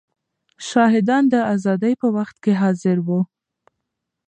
شاهدان د ازادۍ په وخت کې حاضر وو.